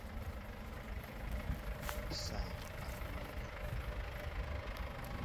Sa abloni.